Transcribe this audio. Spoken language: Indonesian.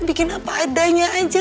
bikin apa adanya aja